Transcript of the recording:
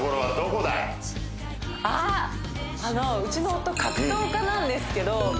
あっあのうちの夫格闘家なんですけど